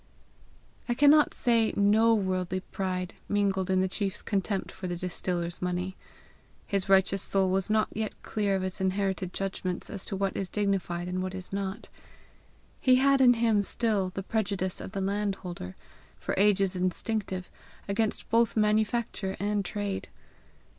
I cannot say NO worldly pride mingled in the chief's contempt for the distiller's money; his righteous soul was not yet clear of its inherited judgments as to what is dignified and what is not. He had in him still the prejudice of the landholder, for ages instinctive, against both manufacture and trade.